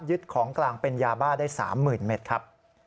ของกลางเป็นยาบ้าได้๓๐๐๐เมตรครับ